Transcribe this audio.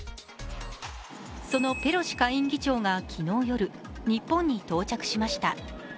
そのペロシ下院議長が昨日夜、日本に到着しました。